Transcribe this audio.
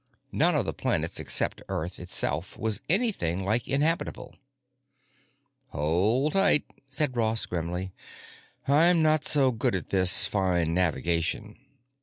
None of the planets except Earth itself was anything like inhabitable. "Hold tight," said Ross grimly, "I'm not so good at this fine navigation."